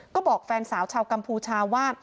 ก็บอกแฟนสาวชาวกัมพูชาว่า